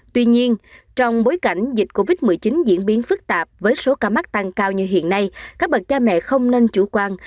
tuy nhiên trong bối cảnh dịch covid một mươi chín diễn biến phức tạp với số ca mắc tăng cao như hiện nay các bậc cha mẹ không nên chủ quan